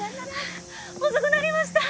遅くなりました。